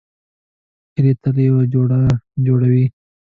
هیلۍ تل یو جوړه جوړوي